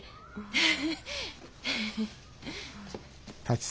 フフフ。